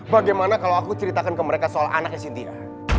bagaimana kalau aku ceritakan ke mereka soal anaknya sintia